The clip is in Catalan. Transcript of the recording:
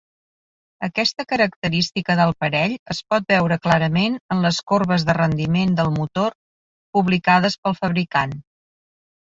Aquesta característica del parell es pot veure clarament en les corbes de rendiment del motor publicades pel fabricant.